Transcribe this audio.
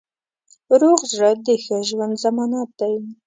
روغ زړه د ښه ژوند ضمانت دی.